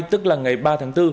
tức là ngày ba tháng bốn